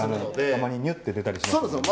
たまににゅっと出たりしますよね。